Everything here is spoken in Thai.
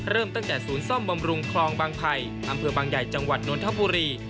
เริ่มตั้งแต่ศูนย์ซ่อมบำรุงคลองบางไผ่อำเภอบางใหญ่จังหวัดนทบุรี